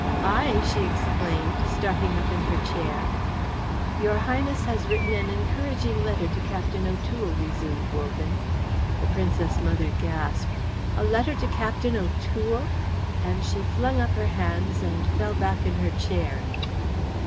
"I?" she exclaimed, starting up in her chair. "Your Highness has written an encouraging letter to Captain O'Toole," resumed Wogan. The Princess mother gasped, "A letter to Captain O'Toole," and she flung up her hands and fell back in her chair.